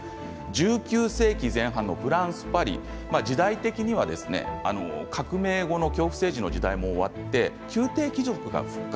１９世紀前半のフランス・パリ時代的には革命後の恐怖政治の時代も終わって宮廷貴族が復活。